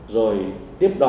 rồi tiếp đó là